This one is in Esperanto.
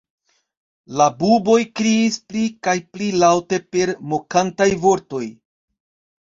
La buboj kriis pli kaj pli laŭte per mokantaj vortoj.